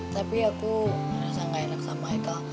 tapi aku merasa gak enak sama eka